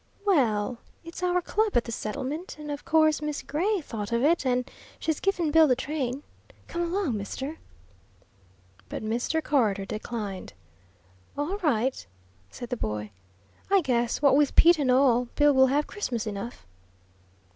"Well, it's our club at the settlement, and of course Miss Gray thought of it, and she's givin' Bill the train. Come along, mister." But Mr. Carter declined. "All right," said the boy. "I guess, what with Pete and all, Bill will have Christmas enough."